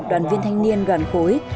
đoàn viên thanh niên đoàn khối